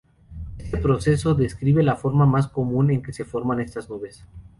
Este proceso describe la forma más común en que se forman estas nubes.